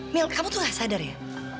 mil kamu tuh gak sadar ya